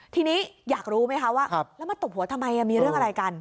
ทีนี้อยากรู้ไหมคะว่าแล้วมาตบหัวทำไมมีเรื่องอะไรกัน